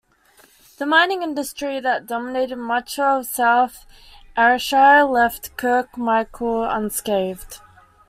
The mining industry that dominated much of South Ayrshire left Kirkmichael unscathed.